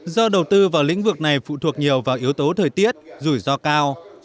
do đầu tư vào lĩnh vực này phụ thuộc nhiều vào yếu tố thời tiết rủi ro cao